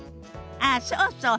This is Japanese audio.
ああそうそう。